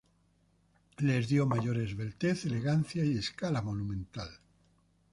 Les dio mayor esbeltez, elegancia y escala monumental.